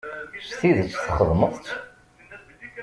S tidet txedmeḍ-tt?